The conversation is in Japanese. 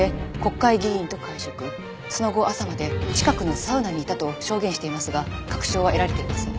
その後朝まで近くのサウナにいたと証言していますが確証は得られていません。